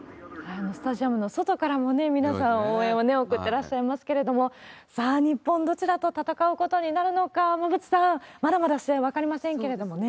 スタジアムの外からも皆さん応援をね、送ってらっしゃいますけれども、さあ、日本、どちらと戦うことになるのか、馬渕さん、まだまだ試合分かりませんけれどもね。